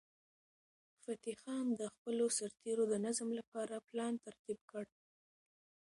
فتح خان د خپلو سرتیرو د نظم لپاره پلان ترتیب کړ.